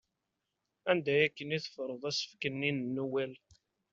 Anda akken i teffreḍ asefk-nni n nuwel?